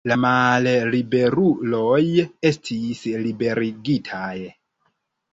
La malliberuloj estis liberigitaj.